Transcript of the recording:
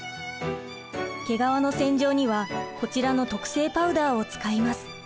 毛皮の洗浄にはこちらの特製パウダーを使います。